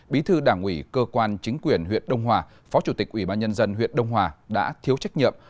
bí thư đảng ủy cơ quan chính quyền huyện đông hòa phó chủ tịch ubnd huyện đông hòa đã thiếu trách nhiệm